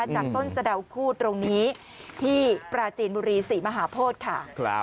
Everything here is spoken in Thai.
จากต้นสะดาวคู่ตรงนี้ที่ปราจีนบุรีศรีมหาโพธิค่ะ